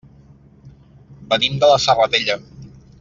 Venim de la Serratella.